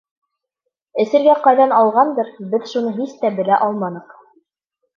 Эсергә ҡайҙан алғандыр, беҙ шуны һис тә белә алманыҡ.